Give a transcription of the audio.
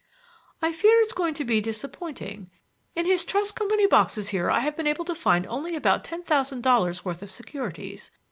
"I fear it's going to be disappointing. In his trust company boxes here I have been able to find only about ten thousand dollars' worth of securities.